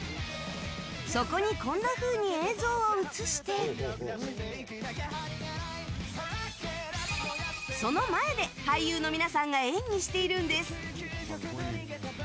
そこにこんなふうに映像を映してその前で俳優の皆さんが演技しているんです。